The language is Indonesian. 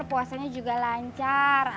puasanya juga lancar ami